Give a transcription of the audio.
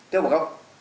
theo một góc